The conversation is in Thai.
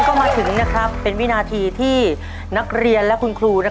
วินาทีที่สำคัญก็มาถึงเป็นวินาทีที่นักเรียนและคุณครู